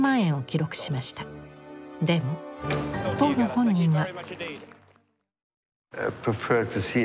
でも当の本人は。